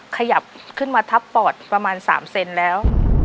ขยับขึ้นมาทับปอดประมาณ๓เซนแล้ว